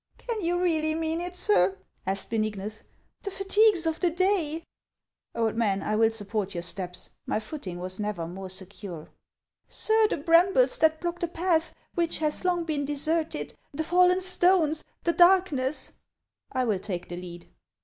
" Can you really mean it, sir ?" asked Benignus. " The fatigues of the day " Old man, I will support your steps ; my footing was never more secure." 220 HANS OF ICELAND. " Sir, the brambles that block the path, which has long been deserted, the fallen stones, the darkness —"•'' I will take the lead."